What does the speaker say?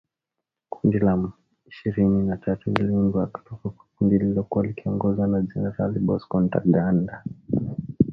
Kundi la M ishirini na tatu liliundwa kutoka kwa kundi lililokuwa likiongozwa na Jenerali Bosco Ntaganda